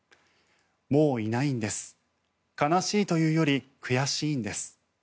もういないんです悲しいというより悔しいんです